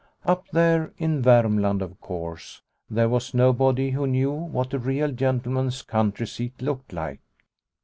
Up there in Varmland, of course, there was nobody who knew what a real gentleman's country seat looked like.